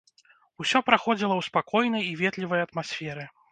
Усё праходзіла ў спакойнай і ветлівай атмасферы.